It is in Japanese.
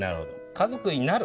家族になる。